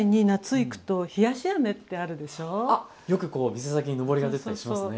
よく店先にのぼりが出てたりしますね。